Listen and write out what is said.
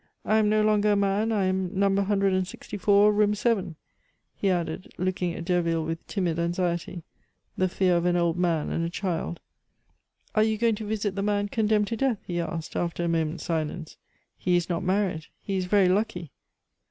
"I am no longer a man, I am No. 164, Room 7," he added, looking at Derville with timid anxiety, the fear of an old man and a child. "Are you going to visit the man condemned to death?" he asked after a moment's silence. "He is not married! He is very lucky!"